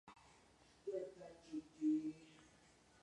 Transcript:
Los pasajeros no tenían forma de comunicarse con el operario.